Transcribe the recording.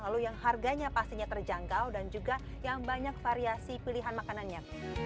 lalu yang harganya pastinya terjangkau dan juga yang banyak variasi pilihan makanannya